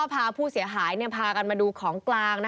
ไปฟังเสียงกันหน่อย